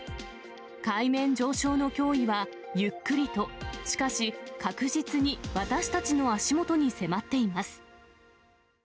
海面上昇の脅威は、ゆっくりと、しかし確実に私たちの足元に迫っています。